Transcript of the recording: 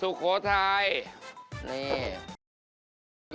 เสาคำยันอาวุธิ